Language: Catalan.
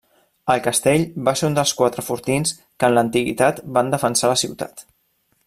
El castell va ser un dels quatre fortins que en l'antiguitat van defensar la ciutat.